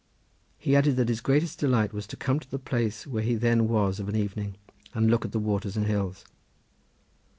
He added that his greatest delight was to come to the place where he then was, of an evening, and look at the waters and hills.